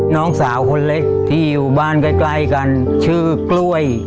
น้องสาวคนเล็กที่อยู่บ้านใกล้กันชื่อกล้วย